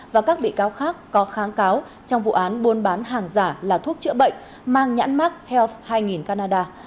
và các bị cáo khác có kháng cáo trong vụ án buôn bán hàng giả là thuốc chữa bệnh mang nhãn mắc health hai canada